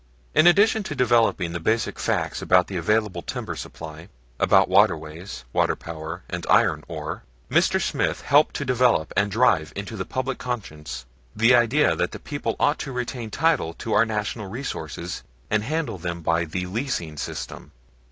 In addition to developing the basic facts about the available timber supply, about waterways, water power, and iron ore, Mr. Smith helped to develop and drive into the public conscience the idea that the people ought to retain title to our natural resources and handle them by the leasing system.